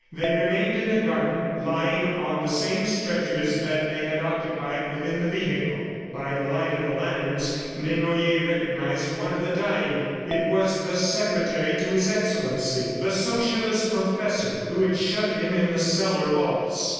They remained in the garden, lying on the same stretchers that they had occupied within the vehicle. By the light of the lanterns Desnoyers recognized one of the dying. It was the secretary to His Excellency, the Socialist professor who had shut him in the cellar vaults.